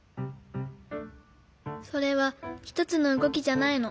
それはひとつのうごきじゃないの。